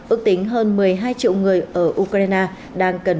ước tính hơn một mươi hai triệu người ở ukraine đang cần